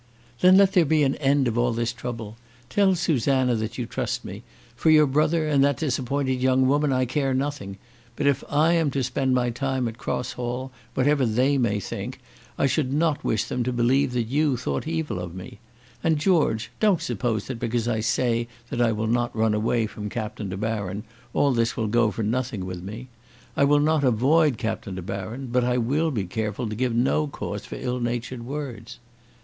"Then let there be an end of all this trouble. Tell Susanna that you trust me. For your brother and that disappointed young woman I care nothing. But if I am to spend my time at Cross Hall, whatever they may think, I should not wish them to believe that you thought evil of me. And, George, don't suppose that because I say that I will not run away from Captain De Baron, all this will go for nothing with me. I will not avoid Captain De Baron, but I will be careful to give no cause for ill natured words."